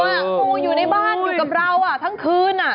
อยู่ในบ้านอยู่กับเราทั้งคืน